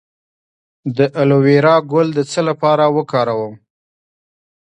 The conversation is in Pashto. د الوویرا ګل د څه لپاره وکاروم؟